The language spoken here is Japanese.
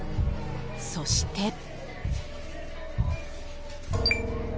そして。